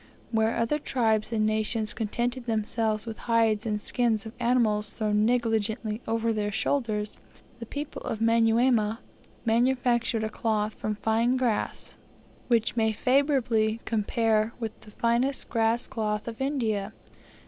Where other tribes and nations contented themselves with hides and skins of animals thrown negligently over their shoulders, the people of Manyuema manufactured a cloth from fine grass, which may favorably compare with the finest grass cloth of India.